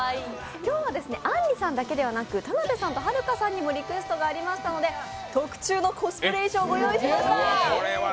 今日はあんりさんだけではなく田辺さんとはるかさんにもリクエストがありましたので特注のコスプレ衣装をご用意しました。